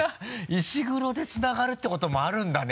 石黒でつながるってこともあるんだね